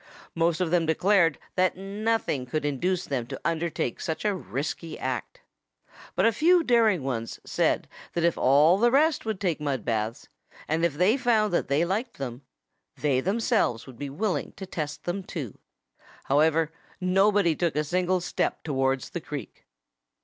Most of them declared that nothing could induce them to undertake such a risky act. But a few daring ones said that if all the rest would take mud baths, and if they found that they liked them, they themselves would be willing to test them too. However, nobody took a single step towards the creek.